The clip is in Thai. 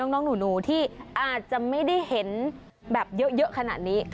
น้องหนูที่อาจจะไม่ได้เห็นแบบเยอะขนาดนี้